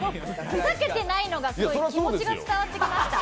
ふざけてないのがすごい気持ちが伝わってきました。